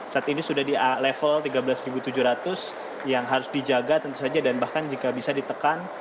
saat ini sudah di level tiga belas tujuh ratus yang harus dijaga tentu saja dan bahkan jika bisa ditekan